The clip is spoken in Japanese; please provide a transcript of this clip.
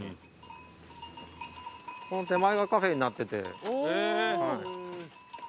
この手前がカフェになってて。